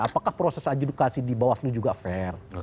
apakah proses adjudikasi di bawah selu juga fair